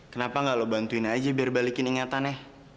kenapa gak lo bantuin aja biar balikin ingatannya